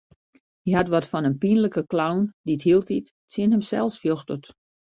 Hy hat wat fan in pynlike clown dy't hieltyd tsjin himsels fjochtet.